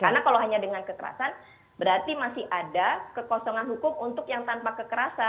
karena kalau hanya dengan kekerasan berarti masih ada kekosongan hukum untuk yang tanpa kekerasan